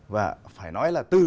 và phải nói là từ